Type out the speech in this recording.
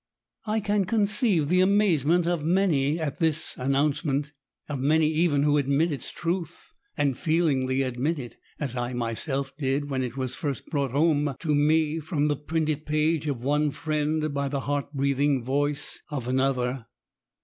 I can conceive the amazement of many at this announcement,— of many even who admit its truth, and feelingly admit it, as I myself did when it was first brought home to me from the printed page of one friend by the heart breathing voice of another.